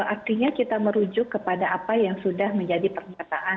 artinya kita merujuk kepada apa yang sudah menjadi pernyataan